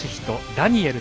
ダニエル